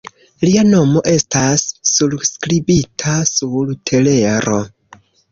Lia nomo estas surskribita sur telero.